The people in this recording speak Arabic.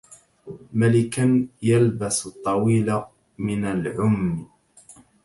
مَلِكاً يَلْبَسُ الطويل من العُم